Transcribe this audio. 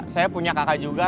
saya punya kakak juga